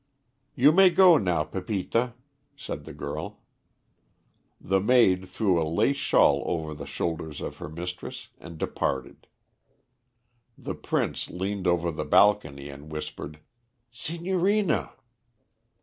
"You may go now, Pepita," said the girl. The maid threw a lace shawl over the shoulders of her mistress, and departed. The Prince leaned over the balcony and whispered, "Signorina."